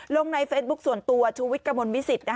ลงในเฟซบุ๊คส่วนตัวชุวิตกระมวลมิสิทธิ์